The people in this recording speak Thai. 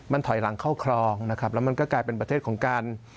มันถอยหลังเข้าครองนะครับแล้วมันก็กลายเป็นประเทศของการ